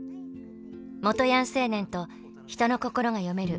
元ヤン青年と人の心が読める